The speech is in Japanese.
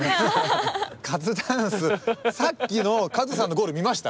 カズダンスさっきのカズさんのゴール見ました？